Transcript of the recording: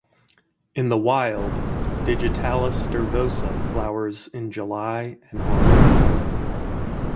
In the wild "Digitalis nervosa" flowers in July and August.